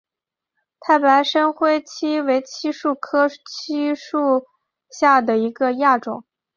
太白深灰槭为槭树科槭属下的一个亚种。